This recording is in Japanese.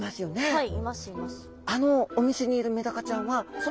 はい。